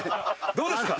どうですか？